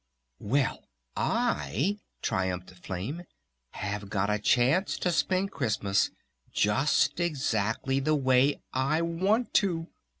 "Well, I," triumphed Flame, "have got a chance to spend Christmas just exactly the way I want to!...